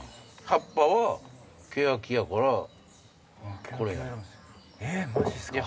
葉っぱはケヤキやからこれや。えっマジっすか？